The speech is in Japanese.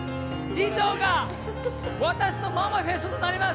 以上が私のママフェストとなります。